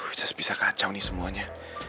aduh bisa kacau ini semuanya